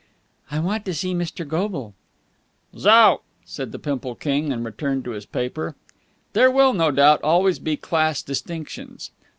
"I want to see Mr. Goble." "Zout!" said the Pimple King, and returned to his paper. There will, no doubt, always be class distinctions.